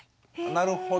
なるほど。